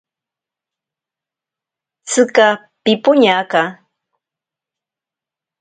Tsika pipoñaka.